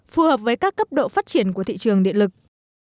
phù hợp với các cấp độ phát triển của thị trường điện lực